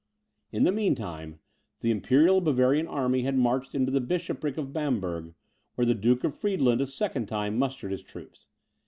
In the mean time, the imperial Bavarian army had marched into the Bishopric of Bamberg, where the Duke of Friedland a second time mustered his troops.